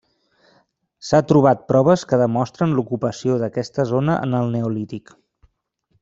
S'ha trobat proves que demostren l'ocupació d'aquesta zona en el neolític.